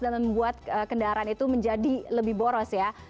dan membuat kendaraan itu menjadi lebih boros ya